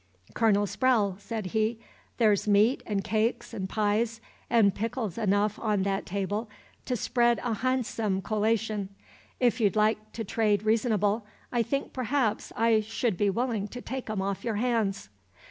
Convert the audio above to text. "Colonel Sprowle," said he, "there's 'meat and cakes and pies and pickles enough on that table to spread a hahnsome colation. If you'd like to trade reasonable, I think perhaps I should be willin' to take 'em off your hands.